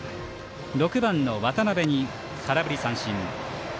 ６番の渡辺に空振り三振。